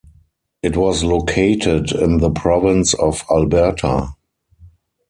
It was located in the province of Alberta.